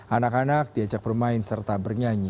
anak anak diajak bermain serta bernyanyi